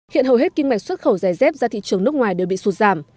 hiện hầu hết kinh mạch xuất khẩu dày dép ra thị trường nước ngoài đều bị sụt giảm